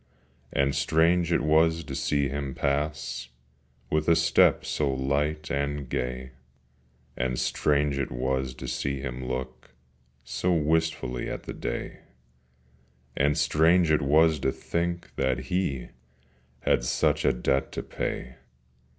And strange it was to see him pass With a step so light and gay, And strange it was to see him look So wistfully at the day, And strange it was to think that he Had such a debt to pay.